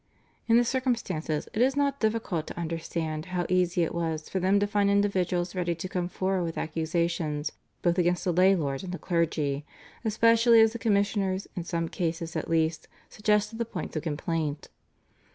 In the circumstances it is not difficult to understand how easy it was for them to find individuals ready to come forward with accusations both against the lay lords and the clergy, especially as the commissioners in some cases at least suggested the points of complaint.